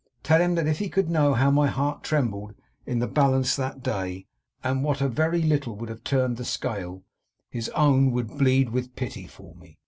Tell him that if he could know how my heart trembled in the balance that day, and what a very little would have turned the scale, his own would bleed with pity for me.